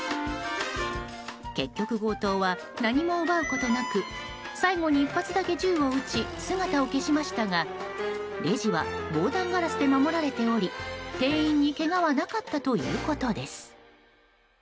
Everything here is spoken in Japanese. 結局、強盗は何も奪うことなく最後に１発だけ銃を撃ち姿を消しましたがレジは防弾ガラスで守られており店員にけがはなかったということです。